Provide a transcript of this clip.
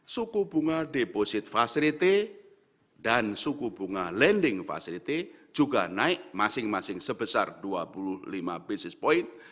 suku bunga deposit facility dan suku bunga lending facility juga naik masing masing sebesar dua puluh lima basis point